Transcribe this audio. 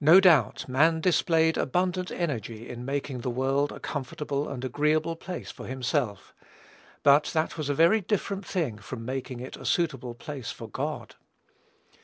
No doubt, man displayed abundant energy in making the world a comfortable and an agreeable place for himself; but that was a very different thing from making it a suitable place for God.